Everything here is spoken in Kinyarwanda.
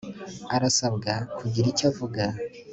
arasabwaga kugira icyo avuga